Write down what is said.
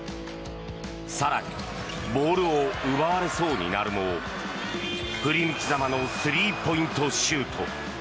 更にボールを奪われそうになるも振り向きざまのスリーポイントシュート。